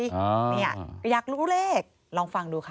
อยากรู้เลขลองฟังดูค่ะ